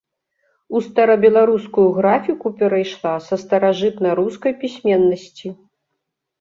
У старабеларускую графіку перайшла са старажытнарускай пісьменнасці.